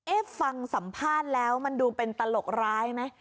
ฟังสัมภาษณ์แล้วมันดูเป็นตลกร้ายไหม